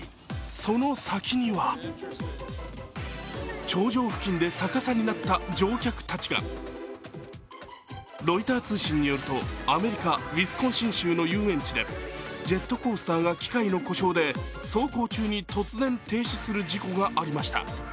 その先には頂上付近で逆さになった乗客たちがロイター通信によるとアメリカ・ウィスコンシン州の遊園地でジェットコースターが機械の故障で走行中に突然停止する事故がありました。